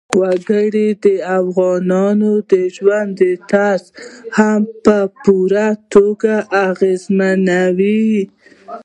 وګړي د افغانانو د ژوند طرز هم په پوره توګه اغېزمنوي.